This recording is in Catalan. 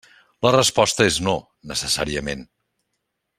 La resposta és no, necessàriament.